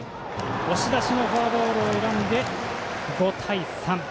押し出しのフォアボールを選んで５対３。